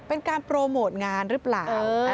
เป็นการโปรโมทงานหรือเปล่า